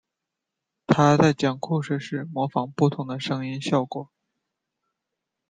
他在讲故事时模仿不同的声音效果。